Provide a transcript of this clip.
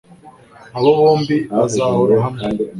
Abo bombi bazahora hamwe